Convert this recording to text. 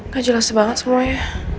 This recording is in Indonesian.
gak jelas banget semuanya